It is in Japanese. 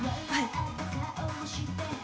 はい。